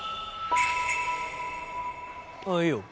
あっいいよ。